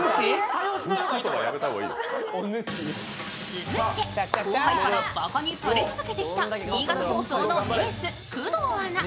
続いて、後輩からバカにされ続けてきた新潟放送のエース工藤アナ。